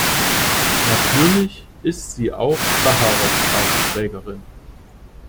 Natürlich ist sie auch Sacharow-Preisträgerin.